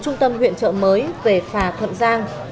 trung tâm huyện chợ mới về phà thuận giang